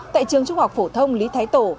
tại trường trung học phổ thông lý thái tổ